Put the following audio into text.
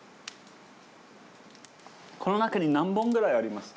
この中に何本ぐらいありますか？